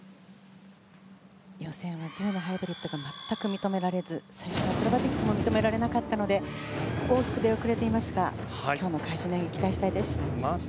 予選は自由なハイブリッドが全く認められず最初のアクロバティックも認められなかったので大きく出遅れていますが今日の会心の演技を期待したいです。